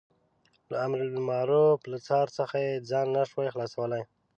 له امر بالمعروف له څار څخه یې ځان نه شوای خلاصولای.